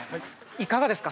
いかがですか？